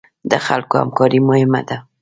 د خلکو همکاري مهمه ده